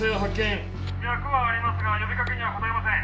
「脈はありますが呼びかけには応えません」